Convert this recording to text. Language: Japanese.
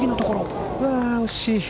惜しい。